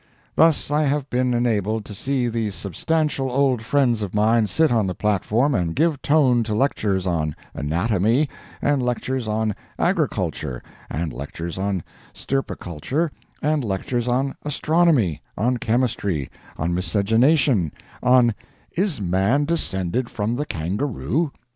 Thus I have been enabled to see these substantial old friends of mine sit on the platform and give tone to lectures on anatomy, and lectures on agriculture, and lectures on stirpiculture, and lectures on astronomy, on chemistry, on miscegenation, on "Is Man Descended from the Kangaroo?"